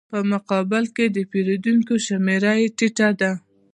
په مقابل کې د پېرودونکو شمېره یې ټیټه ده